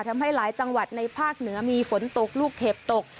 ทำให้หลายจังหวัดในภาคเหนือมีฝนตกลูกเห็บตก